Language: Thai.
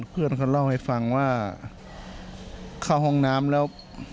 เพื่อนเขาเล่าให้ฟังว่าเข้าห้องน้ำแล้ว